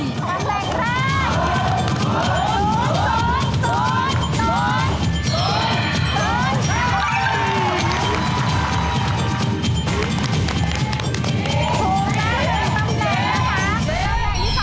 เย็นเย็นเย็นเล็กศยอุบ